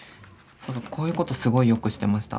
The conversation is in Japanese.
こういうことすごいよくしてました。